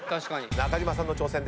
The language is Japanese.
中島さんの挑戦です。